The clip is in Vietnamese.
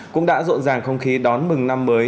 cũng đã rộn ràng không khí đón mừng năm mới